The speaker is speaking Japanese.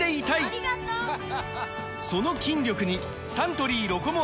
その筋力にサントリー「ロコモア」！